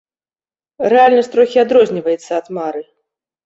Рэальнасць трохі адрозніваецца ад мары.